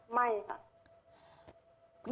ไม่ค่ะ